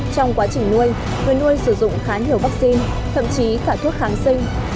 trong quá trình nuôi người nuôi sử dụng khá nhiều vaccine thậm chí cả thuốc kháng sinh